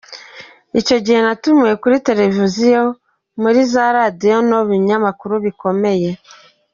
Icyo gihe natumiwe kuri Televiziyo, muri za Radio no mu binyamakuru bikomeye.